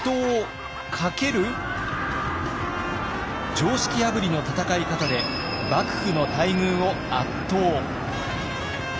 常識破りの戦い方で幕府の大軍を圧倒。